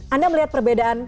anda melihat perbedaan